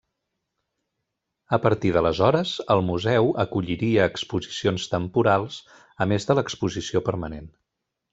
A partir d'aleshores el museu acolliria exposicions temporals, a més de l'exposició permanent.